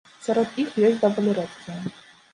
Сярод іх ёсць даволі рэдкія.